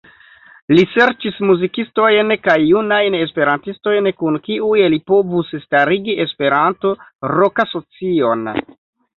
Li serĉis muzikistojn kaj junajn Esperantistojn, kun kiuj li povus starigi Esperanto-rokasocion.